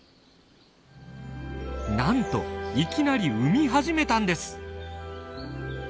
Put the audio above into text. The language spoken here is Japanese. なんといきなり産み始めたんです！